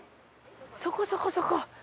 そこそこそこ！